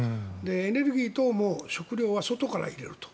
エネルギー等も食料は外から入れると。